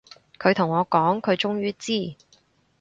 佢同我講，佢終於知